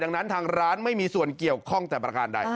ดังนั้นทางร้านไม่มีส่วนเกี่ยวข้องแต่ประการใด